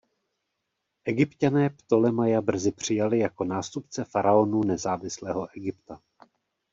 Egypťané Ptolemaia brzy přijali jako nástupce faraonů nezávislého Egypta.